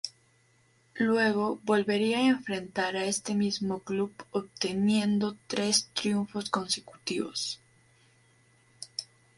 Luego volvería a enfrentar a este mismo club obteniendo tres triunfos consecutivos.